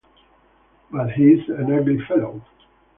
But he is an ugly fellow!